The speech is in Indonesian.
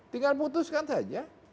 tinggal putuskan saja